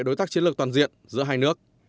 đối tác chiến lược toàn diện giữa hai nước